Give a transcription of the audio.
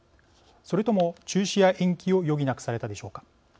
それとも中止や延期を余儀なくされたでしょうか。